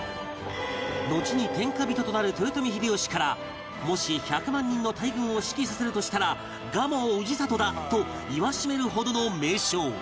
のちに天下人となる豊臣秀吉から「もし１００万人の大軍を指揮させるとしたら蒲生氏郷だ」と言わしめるほどの名将